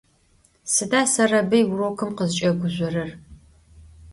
Sıda Serebıy vurokım khızç'eguzjorer?